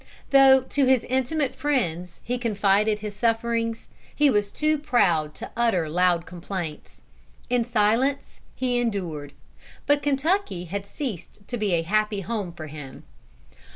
Though to his intimate friends he confided his sufferings, he was too proud to utter loud complaints. In silence he endured. But Kentucky had ceased to be a happy home for him.